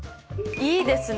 いいですね！